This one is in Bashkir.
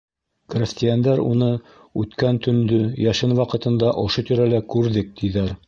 Крәҫтиәндәр уны үткән төндө, йәшен ваҡытында ошо тирәлә күрҙек, тиҙәр.